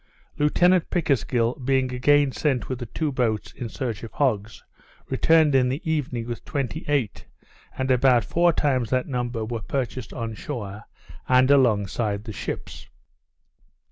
Lieutenant Pickersgill being again sent with the two boats, in search of hogs, returned in the evening with twenty eight; and about four times that number were purchased on shore, and along side the ships.